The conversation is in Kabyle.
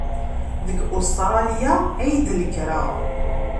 Deg Ustṛalya ay d-nekreɣ.